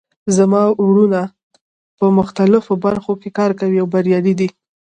زما وروڼه په مختلفو برخو کې کار کوي او بریالي دي